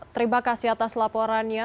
terima kasih atas laporannya